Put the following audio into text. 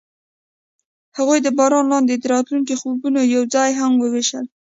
هغوی د باران لاندې د راتلونکي خوبونه یوځای هم وویشل.